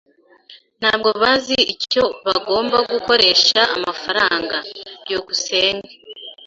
Ntabwo bazi icyo bagomba gukoresha amafaranga. byukusenge